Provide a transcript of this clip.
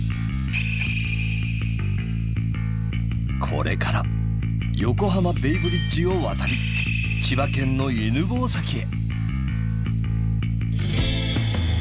これから横浜ベイブリッジを渡り千葉県の犬吠埼へ。